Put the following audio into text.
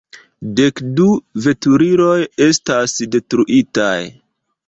Dek du veturiloj estas detruitaj.